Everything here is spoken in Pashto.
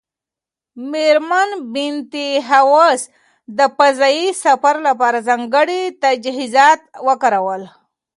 مېرمن بینتهاوس د فضایي سفر لپاره ځانګړي تجهیزات وکارول.